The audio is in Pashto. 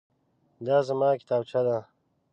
دا زما کتابچه ده.